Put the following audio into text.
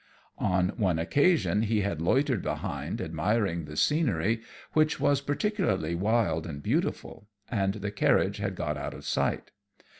On one occasion he had loitered behind admiring the scenery, which was particularly wild and beautiful, and the carriage had got out of sight.